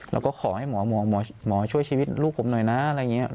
เราก็ขอให้หมอหมอช่วยชีวิตลูกผมหน่อยนะ